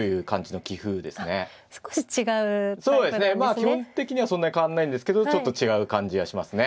基本的にはそんなに変わんないんですけどちょっと違う感じがしますね。